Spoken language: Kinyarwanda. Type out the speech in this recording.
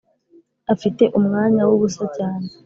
afite umwanya wubusa cyane.